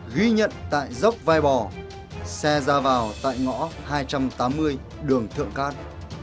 ghi nhận tại dốc vai bò xe ra vào tại ngõ hai trăm tám mươi đường thượng cát